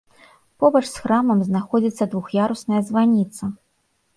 Побач з храмам знаходзіцца двух'ярусная званіца.